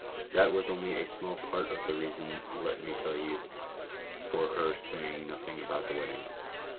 " That was only a small part of the reason, let me tell you, for her saying no thing about the wedding.